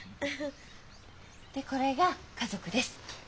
でこれが家族です。